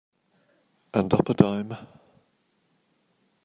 And up a dime.